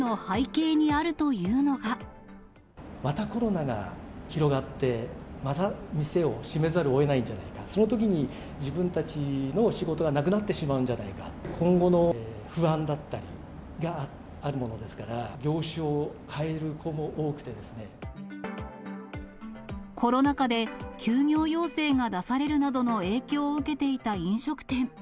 またコロナが広がって、また店を閉めざるをえないんじゃないか、そのときに、自分たちの仕事がなくなってしまうんじゃないか、今後の不安だったりがあるものですから、コロナ禍で休業要請が出されるなどの影響を受けていた飲食店。